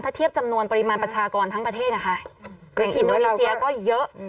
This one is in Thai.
ถ้าเทียบจำนวนปริมาณประชากรทั้งประเทศนะคะในอินโดนีเซียก็เยอะ